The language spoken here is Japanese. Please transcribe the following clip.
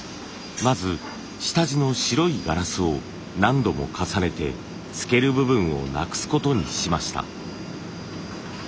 まず下地の白いガラスを何度も重ねて透ける部分をなくすことにしました。